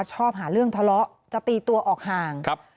ชอบหาเรื่องทะเลาะจะตีตัวออกห่างครับ